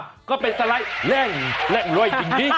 อ่ะก็เป็นสไลด์แรงแรงรวยจริง